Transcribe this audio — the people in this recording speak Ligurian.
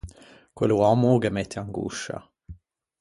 Quello òmmo o ghe mette angoscia.